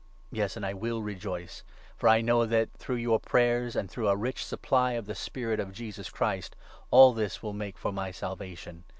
Yes, and I will rejoice, for I know that, through your prayers 19 and through a rich supply of the Spirit of Jesus Christ, 'all this will make for my Salvation.'